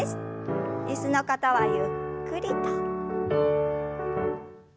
椅子の方はゆっくりと。